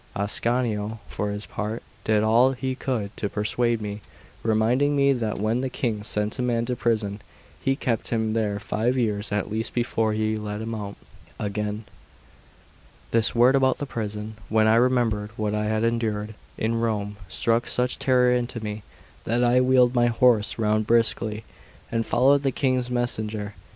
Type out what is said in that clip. Ascanio, for his part, did all he could to persuade me, reminding me that when the King sent a man to prison, he kept him there five years at least before he let him out again. This word about the prison, when I remembered what I had endured in Rome, struck such terror into me, that I wheeled my horse round briskly and followed the King's messenger.